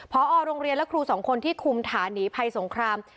พอโรงเรียนและครูสองคนที่คุมฐานีภัยสงคราม